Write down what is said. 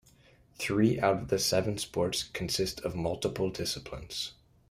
Three out of the seven sports consist of multiple disciplines.